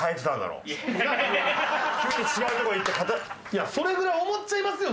いやそれぐらい思っちゃいますよ。